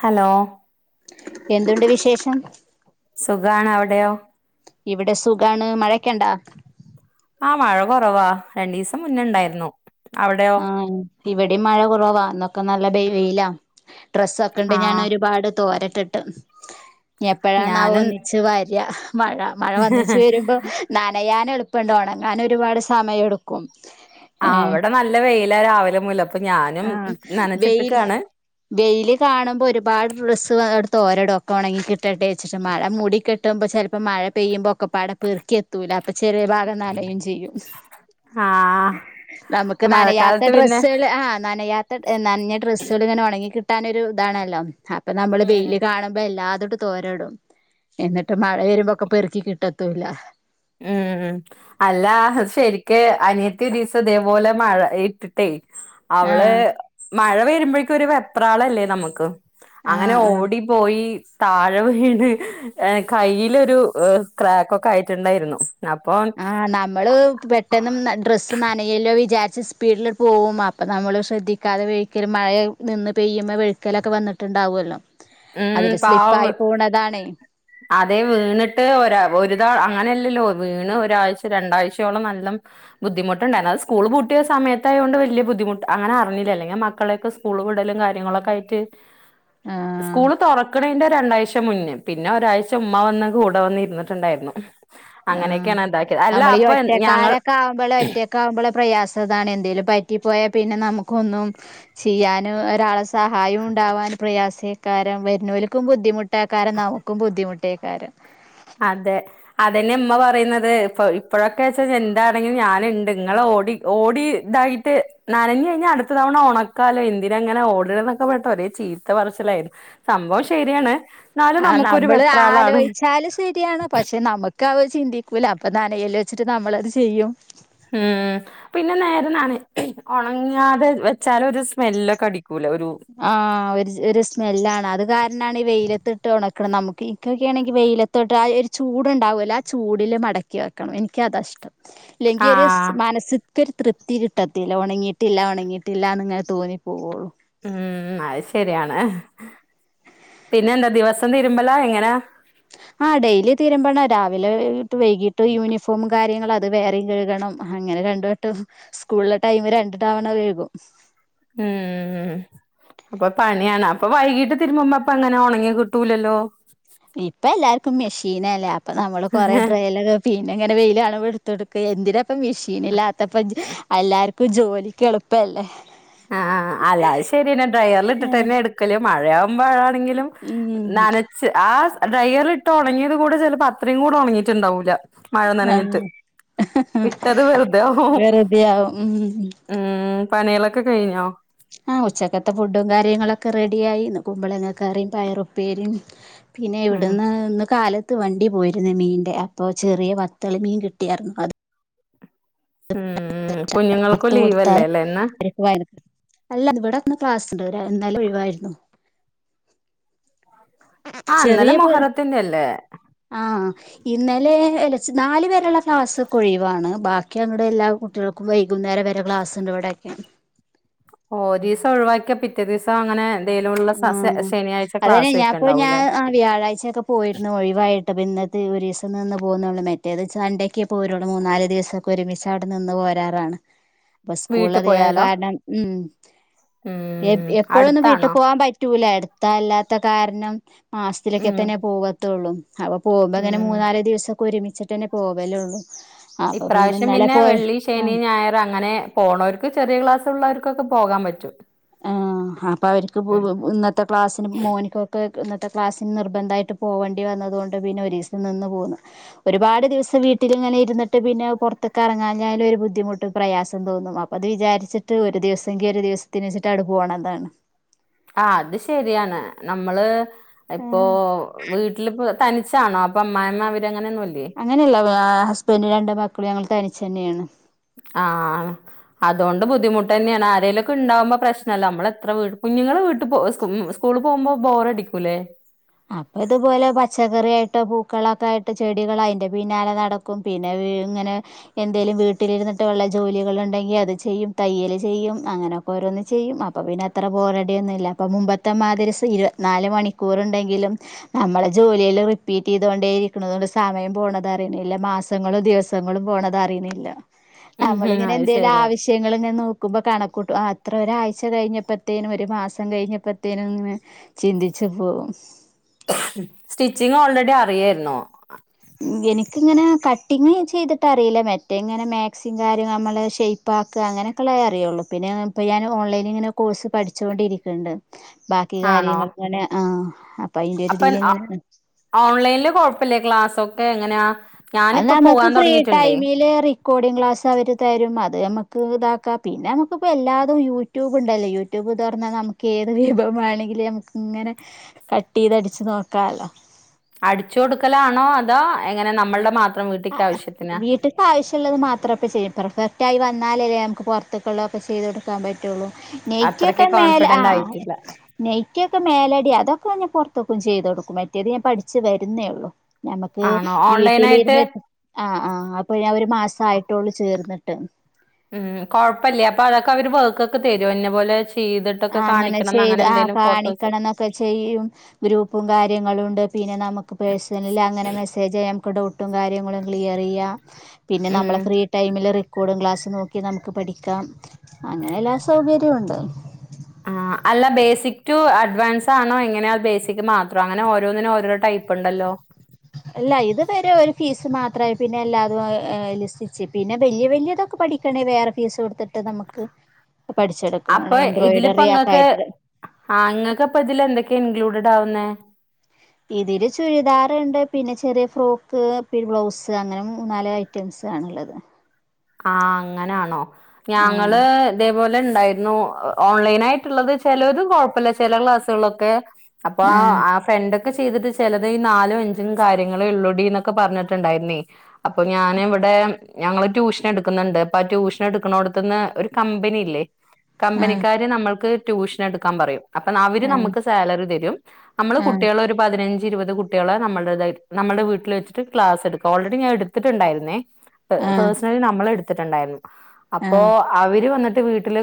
Hello എന്തുണ്ട് വിശേഷം സുഖണ അവിടെയോ ഇവിടെ സുഖാണ്. മഴേക്കെ ഒണ്ടാ? ആ മഴ കൊറവാ. രണ്ടു ദീസം മുന്നേ ഒണ്ടായിരുന്നു. ആഹ് ഇവിടേം മഴ കൊറവാ. ഇന്നൊക്കെ നല്ല ബെ വെയിലാ. ഡ്രസ്സൊക്കെ ഒണ്ട് ആ ഞാൻ ഒരുപാട് തോരട്ടിട്ട്. എനെപ്പോഴാണാവോ ഞാനും ഒന്നിച്ച് വരിയ. മഴ മഴ വന്നച്ച് വരുമ്പോ നനയാനെളുപ്പണ്ട്. ഒണങ്ങാൻ ഒരുപാട് സമയെടുക്കും. ആഹ് ഇവിടെ നല്ല വെയിലാ രാവിലെ മുതല് അപ്പൊ ഞാനും ആഹ് വെയില് നനച്ചിട്ടെക്കാണ്. വെയില് കാണുമ്പോ ഒരുപാട് ഡ്രസ്സ് എ തോരടൊക്കെ ഒണങ്ങികിട്ടട്ടെ വച്ചിട്ട് മഴ മുടി കെട്ടുമ്പം ചെലപ്പം മഴ പെയുമ്പോക്കെ പട പെറുക്കിയെത്തൂല്ല- അപ്പം ചെറിയ ഭാഗം നാനയും ചെയ്യും ആ നമുക്ക്- നനയാത്ത മഴക്കാലത്ത് പിന്നെ ഡ്രസ്സുകൾ ആഹ് ന നനയാത്ത നനഞ്ഞ ഡ്രസ്സുകൾ ഇങ്ങനെ ഒണങ്ങി കിട്ടാനൊരു ഇതാണല്ലോ- ഇപ്പൊ നമ്മള് ഉം വെയില് കാണുമ്പോ എല്ലാ ട് ത്തിട്ട് തോരടും എന്നിട്ട് മഴ വരുമ്പോക്കെ പെറുക്കി കിട്ടത്തൂല്ല- ഉം ഉം അല്ല ശരിക്ക് അനിയത്തി ഒര് ദിസം ഇതേപോലെ മഴ ഇട്ടിട്ടേ- അവള് ആഹ് മഴ വെരുമ്പഴേക്ക് ഒരു വെപ്രാളല്ലേ നമുക്ക്- അങ്ങനെ ആഹ് ആഹ് ഓടി പോയി- താഴെ വീണ് കയ്യിലൊരു ക്രാക്കൊക്കെ ആയിട്ടുണ്ടായിരുന്നു- അപ്പൊ ആഹ് നമ്മള് പെട്ടെന്ന് ഡ്രസ്സ് നനയ്യല്ലോ വിചാരിച്ച്- ച്ച് സ്പീഡിൽ പോകും അപ്പം നമ്മൾ ശ്രദ്ധിക്കാതെ വഴിക്കലും മഴ നിന്ന് പെയ്യുമ്പോൾ വെഴുക്കലൊക്കെ വന്നിട്ടുണ്ട്- ഉണ്ടാവ്വല്ലോ? മ് പാവ്- അതെ വീണിട്ട് ഒരാ ഒരുതാ അങ്ങനെയല്ലല്ലോ- വീണ് ഒരാഴ്ച രണ്ടാ്ചയോളം നല്ലം ബുദ്ധിമുട്ടുണ്ടായി എന്നൽ സ്കൂൾ പൂട്ടിയ സമയത്തായൊണ്ട് വലിയ ബുദ്ധി ബുദ്ധിമുട്ട് അങ്ങനെ അറിഞ്ഞില്ല അല്ലെങ്കിൽ മക്കളെയൊക്കെ സ്കൂള് വിടലും കാര്യങ്ങളൊക്കെ ആയിട്ട്- ആഹ് സ്കൂള് തറക്കണതിന്റെ രണ്ടാഴ്ച മുന്നേ പിന്നെ ഒരാഴ്ച ഉമ്മ വന്ന് കൂടെ വന്ന് ഇരുന്നിട്ടുണ്ടായിരുന്നു- അങ്ങനെയൊക്കെയണ- നമ്മൾ ഈ ഒറ്റക്കാരൊക്കെ ആവുമ്പോഴെ ഒറ്റൊക്കെ ആകുമ്പോളെ പ്രയാസതാണ് എന്തേങ്കലും പറ്റിപ്പോയ- പിന്നെ നമുക്കൊന്നും ചെയ്യൻ ഒരാളെ സഹായം ഉണ്ടാവാൻ പ്രയാസ ക്കാരം വരുന്നൂലക്കും ബുദ്ധിമുട്ടാക്കാരൻ നമുക്കും ബുദ്ധിമുട്ടേക്കാരും- അതെ അതന്നെ ഇമ്മ പറയുന്നത് ഇപ്പ ഇപ്പോഴൊക്കെ വച്ച എന്താണെങ്കിലും ഞാനുണ്ട് ഇങ്ങളൊ- ഓ ഓടി ഇതായിട്ട് നനഞ്ഞ് കഴിഞ്ഞാ അടുത്ത തവണ ഒണക്കാലോ എന്തിന എങ്ങനെ ഓടിണതൊക്കെ - ഒരേ ചീത്ത പർച്ചിലായിരുന്നു സംഭവം ശരിയാണ് എന്നാലും ആഹ് നമുക്കൊരു നമ്മള് വെപ്രാളാണ്- ആലോയി ച്ചാല് ശരിയാണ് പക്ഷെ നമുക്ക് അവ ചിന്തിക്കൂല. അപ്പൊ നനയല്ലൊ ച്ചിട്ട് നമ്മളത് ചെയ്യും. ഉം പിന്നെ നേരനാണ് ഉണങ്ങാതെ വെച്ചാലോരു സ്മെല്ലൊക്കെ അടി ആഹ് ഒരു സ് ഒരു സ്മെല്ലാണ് അത് കാര്ണാണ് ഈ വെയിലത്തിട്ട് ഉണ ക്ക്ണ്. നമുക്ക് ഇക്കൊക്കെണെങ്കി വെയിലത്തോട്ട് ആഹ് ഒരു ചൂടുണ്ടാവോല്ലൊ ആ ചൂടില് മടക്കി വെക്കണം. എനിക്കത ഇഷ്ടം. ലെങ്കി ഒരുസ് ആഹ് മാനസി ക്ക് ഒരു തൃപ്തി കിട്ടത്തില്ല ഉണങ്ങിയിട്ടില്ല ഉണങ്ങിയിട്ടില്ലന്ന്ങ്ങെ തോന്നിപ്പോവോള്ളൂ. ഉം അഹ് ശരിയാണ്. പിന്നെ എന്താ ദിവസം തതിരുമ്പലാ എങ്ങനാ? ആഹ് ഡെയിലി തീരുമ്പണ രാവിലെ [unintelligible] വൈകിട്ട് യൂണിഫോം കാര്യങ്ങളൾ അത് വേറെം കഴുകണം. അങ്ങ രണ്ടു വട്ടം സ്കൂളിലെ ടൈമ് രണ്ട് തവണ കഴുകും. ഉം ഉം പ്പൊ പണിയാണ് അപ്പൊ വൈകീട്ട് തിരുമ്പ്പ അപ്പൊ അങ്ങനെ ഒണങ്ങി കിട്ടൂലല്ലോ? ഇപ്പ എല്ലാർക്കും മെഷീനല്ലേ അപ്പ നമ്മള് കൊറെേ ഡ്രൈൽ പിന്നെ ഇങ്ങനെ വെയില് ആണുമ്പ എട്ത്തൊണ്ട്ക്കേ എന്തിനാപ്പം മെഷീൻ ഇല്ലാത്തപ്പം എല്ലാർ പ്പ ജോലിക്ക് എളുപ്പല്ലേ? അഹ് അഹ് അഹ് അല്ലാത് ശരിന്നെട്ടൊ ഡ്രയറിൽ ഇട്ടിട്ട് ആഹ് തന്നെ എടുക്കല് മഴയാവുമ്പാ ന്തെങ്കിലും ഉം നനച്ച് ആഹ് സ് ഡ്രയറി ഇട്ട് ഉണങ്ങിയത് കൂടെ ചിലപ്പോ അത്രയും കൂടെ ഉണങ്ങിട്ടുണ്ടാവൂില്ല മഴ നനഞ്ഞിട്ട് ആഹ് വിട്ടത് വെറുതെോ വെറുതെയാവും ഉം ഉം പനികളൊക്കെ കഴിഞ്ഞോ ആഹ ഉച്ചക്കത്തെ ഫുഡും കാര്യങ്ങളൊക്കെ റെഡിയായി കുമ്പളെങ്ങ കയറിയും പയറുപ്പര പിന്നെ ഉം ഇവിടുന്ന് ഇന്ന് കാലത്ത് അത്ത് വണ്ടി പോയിരുന്നു മീന്റെ അപ്പോൊ ചെറിയ വത്തളി മീൻ കിട്ടിയായിരുന്നു അത് ഉം ഭത്ത കുഞ്ഞുങ്ങൾക്കും ഓടത്ത ലീവല്ലേ അല്ലേ ഇന്ന് അല്ല ഇവിടെന്ന് ക്ലാസ്ുണ്ട്രാ എന്നാലും ഒഴിിവായിരുന്നു ആഹ് ഇന്നലെ ചെറിയ പ മൊഹറത്തിന്റെ അല്ലേ ആഹ ഇന്നലെല നാല് പേരുള്ള ക്ലാസ്സ് കു ഒഴിവാണ് ബാക്കി അങ്ങുടെ എല്ലാ കുട്ടികൾക്കും വൈകുന്നേരം വരെ ക്ലാസ്ുണ്ട് ഇവിടൊക്കെ ഓ ദിവസം ഒഴിവാക്കിയാ പിറ്റേ ദിവസം അങ്ങനെ എന്തേലും ഉള്ള സ സെ ആഹ ശനിയാഴ്ച അതന്നെ ക്ലാസ് ഒക്കെ ഞാൻപ്പ ഞാൻ ഉണ്ടാവൂല്ലേ ആ വ്യാഴാഴ്ചൊക്കെ പോയിരുന്നു ഒഴിവായിട്ട്പ്പ ഇന്നത്തെ് ഒരുീ പോകുന്നുള്ള മറ്റേ അത് ചണ്ടക്കേ പോരുള്ളൂ മൂന്നാല് ദിവസമൊക്കെ ഒരുമിച്ച് അവിടെ നിന്ന് പോരാറാണ് ഇ വീട്ട് സ്കൂളിലിക പോയാലോ കാരണം ഉ ഉം എപ്പോഴൊന്ന് വീട്ടിൽ അടുത്താണോ പോകാൻ പറ്റൂല എടുത്ത അല്ലാത്ത കാരണം മാസത്തിലൊക്കെ ഉം തന്നെ പോകത്തുള്ളു അവ പോകുമ്പോ അങ്ങെ ഉം മൂന്നാല ദിവസൊക്കെ ഒരുമിച്ചിട്ട്ന്നെ പോവല്ലേ ഉള്ളൂ ഇപ്രാവശ്യം പിന്നെ വെള്ളി ആ ശനി ഞായർ അങ്ങനെ പോണവർക്ക് ചെറിയ ക്ലാസ് ള്ളവർക്കൊക്കെ പോകാൻ പറ്റും ആ അപ്പൊ അവർക്ക് ഉം ഇന്നത്തെ ക്ലാസ്സിന് മോനിക്കൊക്കെ ഇന്നത്തെ ക്ലാസ്സിന് നിർബന്ധമായിട്ട് പോകേണ്ടി വന്നത കൊൊണ്ട് പിന്നെ ഒരു ദിവസം നിന്ന് പോകുന്നു ഒരുപാട് ദിവസം വീട്ടിലിങ്ങനെ ഇരുന്നട്ട് പിന്നെ പുറത്തൊക്കെ ഇറങ്ങാഞ്ഞാലും ഒരു ബുദ്ധിമുട്ടും പ്രയാസം തോന്നും അപ്പോൾ അത് വിചാരിച്ചിട്ട് ഒരു ഒരു ദിവസംങ്കി ഒരു ദിവസത്തിന് വെച്ചിട്ട് അവി പോകണംതാണ് ആ അത് ശരിയാണ് നമ്മള് ഇപ്പോൊ ഉം വീട്ടിലി തനി ാണോ അപ്പ അങ്ങനെയല്ല ഹസ്ബന്ഡ രണ്ട് മക്കളും ഞങ്ങൾ തനിച്ചു തന്നെയാണ് ആഹ അതുകൊണ്ട് ബുദ്ധിമുട്ട് തന്നെയാണ് ആരേലുംൊക്കെ ഉണ്ടാവുമ്പോ പ്രശ്നമല്ല നമ്മളെ വീ നിങ്ങള്ൾ വീട്ടിൽ പോ സ്കൂളിൽ പോകുമ്പോ ബോറ അടിക്കൂല്ലേ അപ്പ ഇതുപോലെ പച്ചക്കറിയായിട്ടോ പൂക്കളൊക്കെ ആയിട്ട് ചെടികളോ അതിന്റെ പിന്നാലെ നടക്കും ും പിന്നെ ഇങ്ങനെ എന്തേലും വീട്ടിലിരുന്നിട്ട് വള്ള ജോലികൾ ഉണ്ടെങ്കിൽ അത് ചെയ്യും തയ്യല് ചെയ്യും അങ്ങനെയൊക്കെ ഓരോന്ന് ചെയ്യും അപ്പ പിന്നെ അത്ര പോറടിയൊന്നുംല്ല അപ്പ മുമ്പത്തെ മാതിരി ഇരുപത്തിനാല് മണിക്കൂർണ്ടെങ്ക ജല റിപ്പീറ്റ് ചെയ്തരിക്ക സമയ പോ ദിവസങ്ങളും പോണ അറിയുന്നില്ല ഉം ഉം നമ്മളിങ്ങനെ അത് എന്തെലും ശരിയാണ് ആവശ്യങ്ങെ ന ന്പോ കണക്കൂട്ടും അത്ര ഒരാഴ്ച കഴിഞ്ഞപ്പോഴത്തേനും ഒരു മാസം കഴിഞ്ഞപ്പോഴത്തേനും ചിന്തിച്ചു അപ്പോൾ സ്റ്റിച്ചിങ് ഓൾറെഡി അറിയായിുന്നോ ആ എനിക്കിങ്ങനെ കട്ടിങ്ങ് ചെയ്തിട്ട്റിയില്ല മറ്റേ ഇങ്ങനെ മാക്സിങ് കാര്യം നമ്മള് ഷെയ്പപ്പാക്കുക അങ്ങന അങ്ങനത്തുള്ളതേ അറിയുള്ളൂ പിന്നെപ്പൊ ഞാൻ ഓൺലൈനിങ്ങനെ കോഴ്സ് പഠിച്ചോണ്ടിരിക്ക്ണ്ട് ബാക്കി ആണോ കാര്യങ്ങൾ അങ്ങനെ ആ അതിന്റെ ഒരു അപ്പൊ ഇതിൽ ഇങ്ങനെ ഓൺലൈനില് കുഴപ്പില്ലേ ക്ലാസ്സൊക്കെങ്ങനെയാ അത് നമുക്ക് ഫ്രീ ടൈമില് റെക്കോർഡിങ് ക്ലാസ്സവര് തരും അത് നമ്മക്ക് ക്ക് ഇതാക്കാ പിന്നെ നമുക്കിപ്പെല്ലാതും യൂട്യൂബുണ്ടല്ലേ യൂട്യൂബ് തൊറന്നാ നമുക്കേത് വിഭവമാണെങ്കിലും നമ്ക്ക്ങ്ങനെ കട്ടെയ്തടിച്ച് നോക്കാലോ അടിച്ചു കൊടുക്കലാണോ അതോ എങ്ങനെ നമ്മളുടെ മാത്രൊ ആ വീട്ടിത്താവശ്യുള്ളത് മാത്രെപ്പ ചെയ്യ പ്രഫർ റായി വന്നാലല്ലേ നമുക്ക് പുറത്തുക്കുള്ളതൊക്കെ ചെയ്ത് കൊടുക്കാൻ പറ്റുള്ളൂ അത്രയ്ക്ക് നെയ്റ്റിയൊക്കെ മേലെ ആ കോൺഫിഡന്റ് ആയിട്ടില്ല നെയ്റ്റിയൊക്കെ മേലടിയാ അതൊക്കെ ഞാൻ പൊറത്തൊക്കും ചെയ്തോടുക്കും ക്കും മറ്റേത് ഞാൻ പഠിച്ചു വരുന്നേയുള്ളൂ ഞമ്മക്ക് ആണോ ഓൺലൈൻ ആയിട്ട് വീട്ടിലിരുന്ന് ആഹ് ആഹ് അപ്പൊ ഞാൻ ഒരു മാസായിട്ടോള്ളൂ ചേർന്നിട്ട് ഉം കൊഴപ്പല്ലേ അപ്പൊ അതൊക്കവര് വർക്കൊക്കെ തരോ ഇന്നപോലെ ആ അങ്ങനെ ചെയ്ത് ആ ഫോട്ടോസ് കാണിക്കണംന്നൊക്കെ ചെയ്യും ഗ്രൂപ്പും കാര്യങ്ങളുണ്ട് പിന്നെ നമുക്ക് പേഴ്ണലിൽ അങ്ങനെ മെസേജെയ്യാം ഡൗട്ടും കാര്യങ്ങളും ക്ലിയർ ചെയ്യാം പിന്നെ ഉം നമ്മള് ഫ്രീ ടൈമില് റെക്കോഡും ക്ലാസ്സും നോക്കി നമുക്ക് പഠിക്കാം അങ്ങനെ എല്ലാ സൗകര്യവുണ്ട് ആഹ് അല്ല ബേസിക് ടു അഡ്വാൻസാണോ എങ്ങനെയാ ബേസിക് മാത്രൊ അങ്ങനെ ഓരോന്നിനും ഓരോ ടൈപ്പ്ണ്ടല്ലോ അല്ല ഇത് വരെ ഒരു ഫീസ് മാത്രമായി പിന്നെ എല്ലാതും ലിസ്സിച്ച് പിന്നെ വല്യ വല്യതൊ ക്കെ പഠിക്കണേ വറെ ഫീസ് കൊടുത്തിട്ട ട്ട് നമുക്ക് പഠിച്ചെടുക്കാണ് എംബ്രോയ്ഡറിയൊക്കായിട്ട് ആഹ് ഇങ്ങൾക്ക് ഇപ്പ ഇതിലെന്തൊക്കെയാ ഇൻക്ലൂഡഡാവുന്നേ ഇതില് ചുരിദാറ്ണ്ട് പിന്നെ ചെറിയ ഫ്രോക്ക് ബ്ലൗസ് അങ്ങനെ മൂന്നാല് ഐറ്റം സാണുള്ളത് ആ അങ്ങനാണോ ഞങ്ങള് ആഹ് ഇതേ പോലെണ്ടായിരുന്നു ഓൺലൈനായിട്ടുള്ളത് ചിലത് കുഴപ്പില്ല ചില ക്ലാസ്സുകളൊക്കെ അപ്പൊ ആഹ് ആ ഫ്രണ്ട് ചെയ്തിട്ട് ചിലത് ഈ നാലും അഞ്ചും കാര്യങ്ങളെ ഉള്ളുടീന്നൊക്കെ പറഞ്ഞിട്ടുണ്ടായിരുന്നേ അപ്പൊ ഞാനിവിടെ ടൈം ഞങ്ങള് ട്യൂഷൻ എടുന്നുണ്ട് അ ട്യൂഷൻ എടുക്ക്ണോടത്തുന്ന് ഒരു കമ്പനിയില്ലേ കമ്പനിക്കാര് നമ്മൾക്ക് ട്യൂഷനെടുക്കാൻ പറയും അപ്പ അവര് ആഹ് നമ്മക്ക് സാലറിതരും നമ്മള് ആഹ് കുട്ടികളൊരു പതിനഞ്ച് ഇരുപത് കുട്ടികള നമ്മുടെതായിട്ട് നമ്മുടെ വീട്ടിൽ വെച്ചിട്ട് ക്ലാസ്ടുക്ക ഓൾറെഡി ഞാനെടുത്തിട്ടുണ്ടായിരുന്നേ ആഹ് പേഴ്സണലി നമ്മളെടുത്തിട്ടുണ്ടായിരുന്നു അപ്പോ ആഹ് അവര് വന്നിട്ട് വീട്ടില്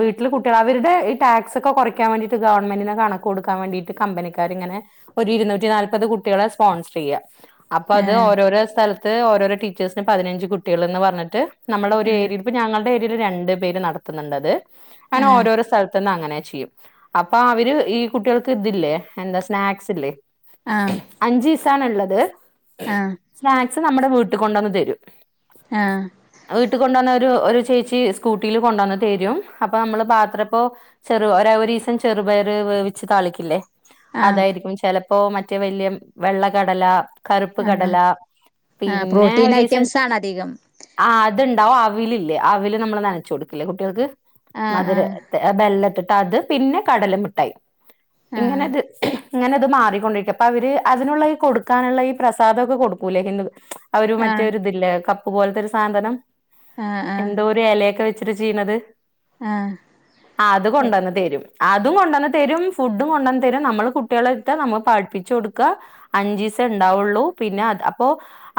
വീട്ടില് കുട്ടികള് അവരുടെ ടാക്സൊക്കെ കുറക്കാൻ വേണ്ടിട്ട് ഗവൺമെന്റിന് കണക്ക് കൊടുക്കാൻ വേണ്ടിട്ട് ഇന്നിട്ട് കമ്പനിക്കാരിങ്ങനെ ഒരു ഇരുന്നൂറ്റിനാൽപ്പത് കുട്ടികളെ സ്പോൺസർ ചെയ്യ അപ്പൊ അത് ആഹ് ഓരോരോ സ്ഥലത്ത് ഓരോരോ ടീച്ചേഴ്സിന് പതിനഞ്ച് കുട്ടികള്ന്ന് പറഞ്ഞിട്ട് നമ്മൾടെ ഒരു ഏരിയയിൽ ഇപ്പോ ഞങ്ങളുടെ ഏരിയയിൽ രണ്ടുപേര് നടത്തുന്നുണ്ടത് ആഹ് അങ്ങനെ ആഹ് ഓരോരോ സ്ഥല ത്ത്ന്നങ്ങനെ ചെയ്യും അപ്പൊ അവര് ഈ കുട്ടികൾക്ക് ഇതില്ലേ എന്താ സ്നാക്സില്ലേ ആഹ് ത്താണുള്ളത് ആഹ് സ്നാക്സ് നമ്മുടെ വീട്ട് കൊണ്ടന്ന് തരും ആഹ് വീട്ട് കൊണ്ടന്ന് ഒരു ചേച്ചി സ്കൂട്ടില് കൊണ്ടന്ന് തരും അപ്പ നമ്മള് പാത്രം പ്പൊ ഒരു വേവിച്ച് താളിക്കില്ലേ ആഹ് അതായിരിക്കും ചെലപ്പോ മറ്റേ വലിയ വെള്ള കടല കറുപ്പ് കടല ആഹ് ആഹ് പിന്നെ പ്രോട്ടീൻ ഒരു ദിവസം ഐറ്റംസ് ആണ് അധികം ആ അത്ണ്ടാവും അവിലില്ലേ അവില് നമ്മള് നനച്ചുകൊടുക്കില്ലേ കുട്ടികൾക്ക് ആഹ് മധുര ആഹ് ബെല്ലട്ടിട്ടത് പിന്നെ കടല മുട്ടായി ആഹ് ഇങ്ങനെത് ഇങ്ങനെത് മാറിക്കൊണ്ടിരിക്കും അപ്പവിര് അതിനുള്ള ഈ കൊടുക്കാനുള്ള ഈ പ്രസാദോക്കെ കൊടുക്കൂലേ ഹിന്ദു അവര് ആഹ് മറ്റേഒരിതില്ലേ കപ്പ് പോല്ത്തൊരു സാധനം ആഹ് ആഹ് എന്തോ ഒരു എലേക്ക വെച്ച് [unintelligible] ചെയ്യുന്നത് ആഹ് ആ അത് കൊണ്ടോന്ന് തരും. അതും കൊണ്ടന്ന് തെരും ഫുഡും കൊണ്ടന്ന് തെരും നമ്മള് കുട്ട്യാളെ ഇരിത്താ നമ്മള് പാഠിപ്പിച്ചു കൊടുക്ക അഞ്ചീസ് [unintelligible] ഉണ്ടാ വൊള്ളൂ പിന്നെ അത് അപ്പോ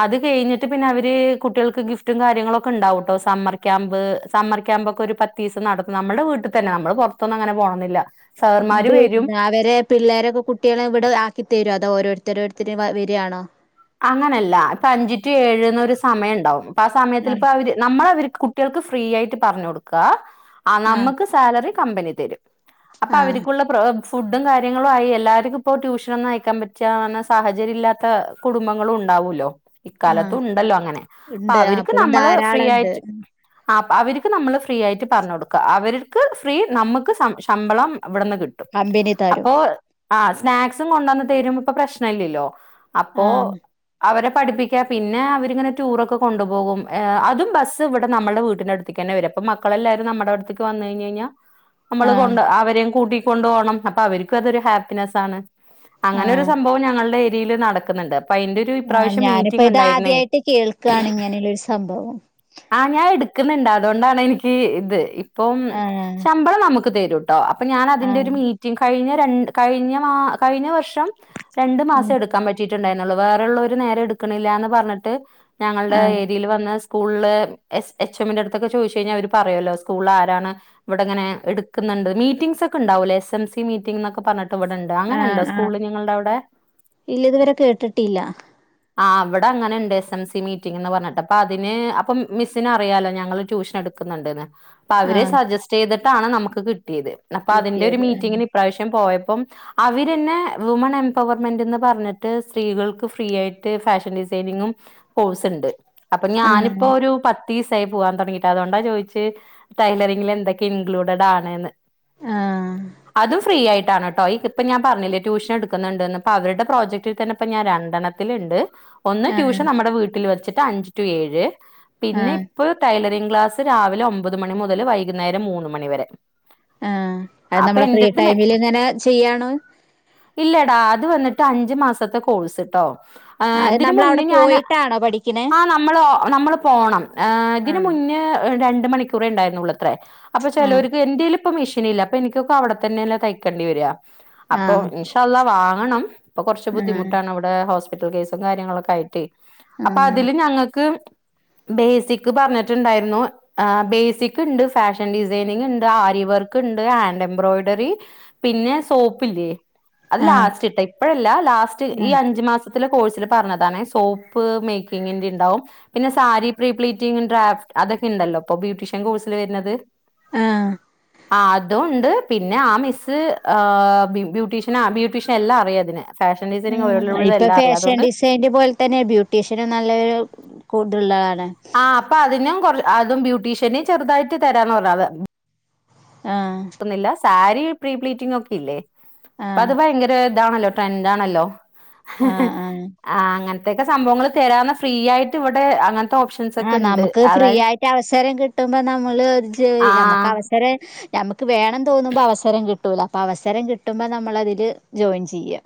അത് കെഴിഞ്ഞിട്ട് പിന്ന അവര് കുട്ടേൾക്ക് ഗിഫ്റ്റും കാര്യങ്ങളൊക്കെ ഉണ്ടാവുട്ടോ സമ്മർ ക്യാമ്പ് സമ്മർ ക്യാമ്പൊക്കെ ഒരു പത്തീസം നടന്ന് നമ്മൾടവീട് ഇവിട്തന്നെ നമ്മള് പൊറത്തൊന്നും അങ്ങനെ പോണൊന്നുല്ല. [unintelligible] അവരെ പിള്ളേരൊക്കെ കുട്ടികളെ ഇവിടെ ആക്കിതെരും അത് ആ ഓരോരുത്തര് ഓരോരുത്തര് വരുവാണോ. അങ്ങനല്ല ഇപ്പ അഞ്ച് ടു ഏഴ്ന്നൊരു സമയം ഇണ്ടാവും അപ്പ ആ സമയത്തിലിപ്പ ആഹ് അവര് നമ്മളവര് കുട്ടികൾക്ക് ഫ്രീ ആയിട്ട് പറഞ്ഞു കൊടുക്ക ആ ആഹ് നമ്മക്ക് സാലറി കമ്പനി തരും അപ്പ ആഹ് അവരിക്കുള്ള പ്രാ ഫുഡും കാര്യങ്ങളും ആയി എല്ലാർക്കിപ്പോ ട്യൂഷനൊന്നും അയക്കാൻ പറ്റിയ അങ്ങനെ സാഹചര്യം ഇല്ലാത്ത കുടുംബങ്ങളും ഉണ്ടാവൂല്ലോ. ആഹ് ഇക്കാലത്തുണ്ടല്ലോ അങ്ങനെ അപ്പ ഉണ്ട് അവരിക്ക് അപ്പളും നമ്മള് ഫ്രീ ധാരാളം ഉണ്ട് ആയിട്ട് ആ അവരിക്ക് നമ്മള് ഫ്രീ ആയിട്ട് പറഞ്ഞ് കൊടുക്ക അവരിക്ക് ഫ്രീ നമ്മക്ക് സം ശമ്പളം. അവിടന്ന് കിട്ടും കമ്പനി തരും അപ്പോ ആ സ്നാക്സും കൊണ്ടെന്ന് തെരും അപ്പം പ്രശ്നില്ലല്ലോ അപ്പോ ആഹ് അവരെ പഠിപ്പിക്ക പിന്നെ അവരിങ്ങനെ ടൂറൊക്കെ കൊണ്ടുപോകും ഏ അതും ബസ് ഇവിടെ നമ്മുടെ വീട്ടിൻ്റടുത്തേക്കന്നേ വര്യ ഇപ്പ മക്കളെല്ലാരും നമ്മട വിട്ത്ത്ക്ക് വന്ന് കഴിഞ്ഞ് കഴിഞ്ഞാ- നമ്മള് ആഹ് കൊണ്ട് അവരെയും കൂട്ടികൊണ്ടു പോണം അപ്പൊ അവരിക്കും അതൊരു ഹാപ്പിനെസ്സാണ്. അങ്ങനെ ഒരു ആഹ് സംഭവം ഞങ്ങളുടെ ഏരിയേല് നടക്കുന്നൊണ്ട്. ഇപ്പ അയിന്റൊരു ആഹ് ഇപ്രാവശ്യം ഞാനിപ്പ ഇത് മീറ്റിംഗ്ണ്ടായിരുന്നേ ആദ്യായിട്ട് കേൾക്കാണ് ഇങ്ങനെയുള്ളൊരു സംഭവം ആഹ് ഞാൻ എടുക്കുന്നെണ്ട് അതുകൊണ്ടാണെനിക്ക് ഇത് ഇപ്പം ആഹ് ശമ്പളം നമുക്ക് തരൂം. ട്ടോ അപ്പ ഞാനതിന്റെ ആഹ് ഒരു മീറ്റിം കഴിഞ്ഞ രണ്ട് കഴിഞ്ഞ മാ കഴിഞ്ഞ വർഷ് രണ്ടു മാസം ആഹ് എടുക്കാൻ പറ്റിയിട്ടുണ്ടായിരുന്നൊള്ളു വേറെള്ളോര് നേരെ എടുക്കണില്ലാന്ന് പറഞ്ഞിട്ട് ഞങ്ങൾടെ ആഹ് ഏരിയേൽ വന്നാസ് സ്കൂളില് എസ് എച്ച് എമ്മിന്റെ അടുത്തൊക്കെ ചോയിച്ചു കഴിഞ്ഞാൽ അവര് പറയൂല്ലോ സ്കൂളാരാണ് ഇവിടെങ്ങനെ എടുക്കുന്ന ഇണ്ട് മീറ്റിംഗ്സൊക്ക ഇണ്ടാവൂല്ലേ എസ് എം സി മീറ്റിംഗ് എന്നൊക്കെ പറഞ്ഞിട്ട് ഇവിടെണ്ട് അങ്ങനെയൊണ്ടോ ആഹ് സ്കൂള് നിങ്ങൾടവിടെ. കേട്ട്ട്ടില്ല ആ അവ്ടെ അങ്ങനെ ഇണ്ട് എസ് എം സി മീറ്റിംഗ് എന്ന് പറഞ്ഞിട്ട് അപ്പ അതിന് അപ്പം മിസ്സിന് അറിയാലോ ഞങ്ങള് ട്യൂഷൻ [unintelligible] [unintelligible] അപ്പ അവര് ആഹ് സജസ്റ്റ് ചെയ്തിട്ടാണ് നമുക്ക് കിട്ടിയത് അപ്പൊ അതിന്റെ ഒരു കിട്ടിയത് ആഹ് മീറ്റിങ്ങിന് ഇപ്രാവശ്യം പോയ അപ്പം അവിരെന്നെ വുമൺ എംപവർമെന്റെന്ന് പറഞ്ഞ [unintelligible] സ്ത്രീകൾക്ക് ഫ്രീയായിട്ട് ഫാഷൻ ഡിസൈനിങ്ങും കോഴ്സ്ണ്ട്. അപ്പ ആഹ് ഞാനിപ്പോരു പത്ത് തീസായി പോവാം തൊടങ്ങീട്ട് അതോണ്ടാ ചോയിച്ച് ടൈലറിങ്ങിലെന്തക്കെ ഇൻക്ലൂഡടാണ്ന്ന് [inaudible] അതും ഫ്രീയായിട്ടാണ് ട്ടോ ഈ ഇപ്പ ഞാൻ പറഞ്ഞില്ലേ ട്യൂഷൻ എടുക്കുന്നുണ്ട്ന്ന് അപ്പവരുടെ പ്രോജക്ട് ഇതിൽതന്നെ ഇപ്പോ ഞാൻ രണ്ടെണ്ണത്തില്ണ്ട് ഒന്ന് ആഹ് ട്യൂഷൻ നമ്മടെ വീട്ടിൽ വച്ചിട്ട് അഞ്ച് റ്റൂ ഏഴ്. പിന്നെ ആഹ് ഇപ്പൊ ടൈലറിങ്ങ് ക്ലാസ് രാവിലെ ഒമ്പത് മണി മുതൽ വൈകുന്നേരം മൂന്ന് മണി വരെ. ആഹ് അത് അപ്പൊ നമ്മള് ഫ്രീ എന്റെടുത്ത് മെ ടൈമില് ഇങ്ങനെ ചെയ്യാണോ. ഇല്ല ഡാ അത് വന്നിട്ട് അഞ്ചു മാസത്തെ കോഴ്സെട്ടോ അത് ഇതിന് മുന്നേ നമ്മളവിടെ ഞാന് പോയിട്ടാണോ പഠിക്കണേ ആഹ് നമ്മളോ നമ്മള് പോണം എ ഇതിന് ആഹ് മുന്നേ രൺ ണ്ടു മണിക്കൂറേണ്ടായിരുന്നുള്ളത്രേ അപ്പ ആഹ് ചെലോരിക്ക് എന്തേലും ഇപ്പ മെഷീനില്ല അപ്പ എനിക്കൊക്കാ അവിട തന്നെല്ലേ തയ്ക്കേണ്ടി വരിക അപ്പോ ആഹ് ഇൻഷാ അല്ലാഹ് വാ ണം ഇപ്പൊ കൊറച്ച് ആഹ് ബുദ്ധിമുട്ടാണിവട ഹോസ്പിറ്റൽ കേസും കാര്യങ്ങളൊക്കായിട്ടേ അപ്പൊ ആഹ് അതില് ഞങ്ങക്ക് ബേസിക് പറഞ്ഞിട്ടിണ്ടായിരുന്നു ആ ബേസിക് ഇണ്ട് ഫാഷൻ ഡിസൈനിങ്ങിണ്ട് ആരി ഇവർക്കിണ്ട് ഹാൻഡെബ്രോയിഡറി പിന്നെ സോപ്പില്ലേ അത് ആഹ് ലാസ്റ്റ് ഇട്ടാ ഇപ്പഴല്ല ലാസ്റ്റ് ഈ ആഹ് അഞ്ചു മാസം കോഴ് പറഞ്ഞതണ സോപ്പ് മേക്കിങ്ങിന്റെ ഉണ്ടാവും പിന്നെ സാരി പ്രീപ്ലീറ്റി ഡ അതൊക്കെ ഉണ്ടല്ലോ ഇപ്പൊ ബ്യൂട്ടീഷ്യൻ കോഴ്സിൽ വരുന്നത് ആ ആ അതുംൊണ്ട് പിന്നെ ആ മിസ്സ് ആ ബ്യൂട്ടീഷ്യൻ ആ ബ്യൂട്ടീഷ്യൻ എല്ലാം അറിയാം അതിന് ഫാഷൻ ഡിസൈനിങ് ആ ഒരുവിധം ഇപ്പൊ എല്ലാം അറിയാം. അതുകൊണ്ട് ഫാഷൻ ഡിസൈന് പോലെ തന്നെ ബ്യൂട്ടീഷ്യനും നല്ലൊരു കൂടുതുള്ളതളാണ് ആ അപ്പൊ അതിനും കൊ അതും ബ്യൂട്ടീഷ്യന് ചെറുതായിട്ട് തരാൻ പറരാതെ ആഹ സാരി പ്രീ ഫ്ലീറ്റിങ് ഒക്കെ ഇല്ലേ അപ്പൊ ആഹ് അത് ഭയങ്കര ഇതാണല്ലോ ട്രെൻഡ ആണല്ലോ ആഹ് ആഹ് ആ അങ്ങനത്തെൊക്കെ സംഭവങ്ങൾ തരുന്ന ഫ്രീ ആയിട്ട് ഇവിടെ അങ്ങനത്തെ ഓപ്ഷൻസ് ആ ഒക്കെ ഉണ്ട്. നമുക്ക് ഫ്രീ അതായത് ആയിട്ട് അവസരം കിട്ടുമ്പോ നമ്മള് ആ മ്മക്ക് അവസരം മ്മക്ക് ക്ക് വേണം തോന്നുമ്പോ അവസരം കിട്ടൂല. അപ്പൊ അവസരം കിട്ടുമ്പോ നമ്മള അതില് ജോയിൻ ചെയ്യാ.